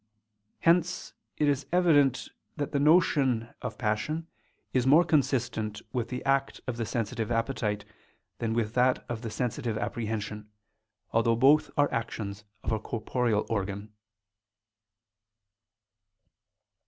Hence it is evident that the notion of passion is more consistent with the act of the sensitive appetite, than with that of the sensitive apprehension, although both are actions of a corporeal organ.